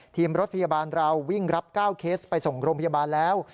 ทีมรถพยาบาลเราวิ่งรับ๙เคสไปส่งโรงพยาบาลแล้ว